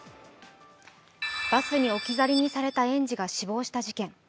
バスに置き去りにされた園児が死亡した事件。